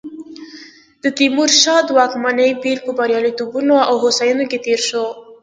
د تیمورشاه د واکمنۍ پیر په بریالیتوبونو او هوساینو کې تېر شو.